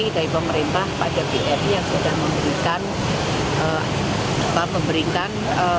dari pemerintah pada bri yang sedang memberikan